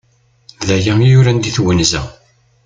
Daya i yuran di twenza.